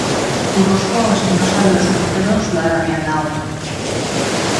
Burgosko Espinosa de los Monteros udalerrian dago.